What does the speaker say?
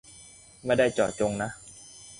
ไม่ได้เจาะจงน่ะ